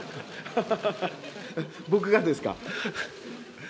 僕がですか？